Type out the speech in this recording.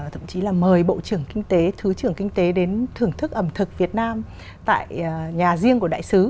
thậm chí là mời bộ trưởng kinh tế thứ trưởng kinh tế đến thưởng thức ẩm thực việt nam tại nhà riêng của đại sứ